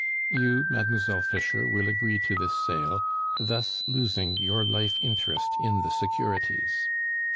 You, Mademoiselle Fischer, will agree to this sale, thus losing your life interest in the securities."